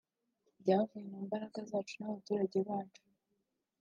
byavuye mu mbaraga zacu n’abaturage bacu”